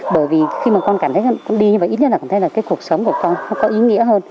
bởi vì khi mà con cảm thấy con đi ít nhất là con thấy là cái cuộc sống của con có ý nghĩa hơn